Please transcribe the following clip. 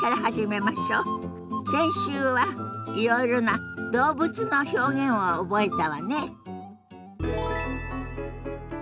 先週はいろいろな動物の表現を覚えたわね。